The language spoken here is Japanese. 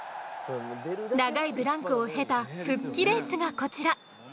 長いブランクを経た復帰レースがこちら。